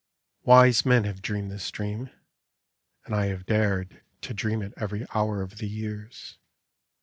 Wise men have dreamed this dream; and I have dared To dream it every hour of the years.